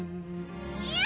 いや！